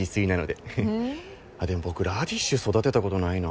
でも僕ラディッシュ育てたことないな。